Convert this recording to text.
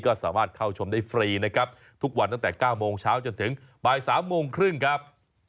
ก็สามารถเข้าชมได้ฟรีนะครับทุกวันตั้งแต่๙โมงเช้าจนถึงบ่าย๓โมงครึ่งครับ